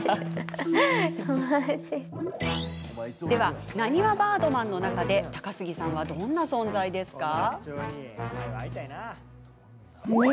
では、なにわバードマンの中で高杉さんはどんな存在ですか？